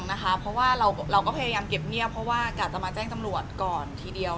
เพราะว่าเราก็พยายามเก็บเงียบเพราะว่ากะจะมาแจ้งตำรวจก่อนทีเดียว